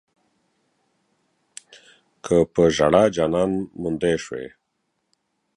که پۀ ژړا جانان موندی شوی